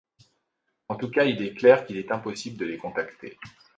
En tout cas, il est clair qu'il est impossible de les contacter.